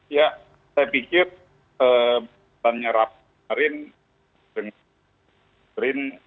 ya saya pikir banyak rapat kemarin dengan brin